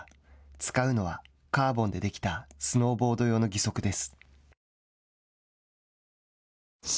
使うのはカーボンでできたスノーボード用の義足です。